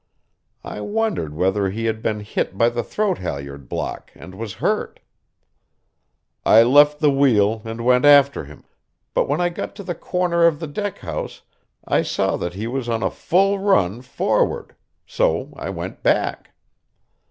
I wondered whether he had been hit by the throat halliard block and was hurt. I left the wheel and went after him, but when I got to the corner of the deck house I saw that he was on a full run forward, so I went back.